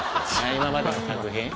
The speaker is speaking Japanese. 今までの作品